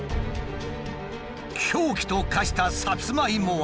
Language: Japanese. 凶器と化したサツマイモは。